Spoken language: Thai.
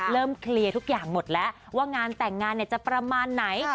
เคลียร์ทุกอย่างหมดแล้วว่างานแต่งงานจะประมาณไหน